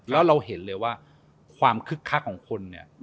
แล้วเราเห็นเลยว่าความคึกคักของคนเนี่ย